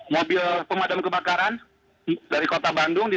mobil pemadam kebakaran dari kota bandung